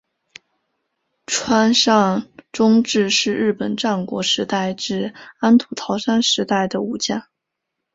川上忠智是日本战国时代至安土桃山时代的武将。